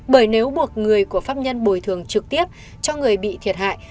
bởi nếu buộc người của pháp nhân bồi thường trực tiếp cho người bị thiệt hại